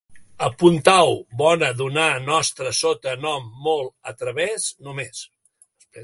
Apuntau: bona, donar, nostra, sota, nom, molt, a través, només